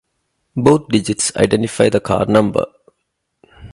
Both digits identify the car number.